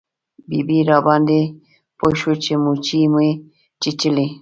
ببۍ راباندې پوه شوه چې موچۍ مې چیچلی.